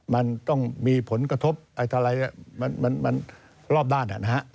มันต้องมีผลกระทบรอบด้าน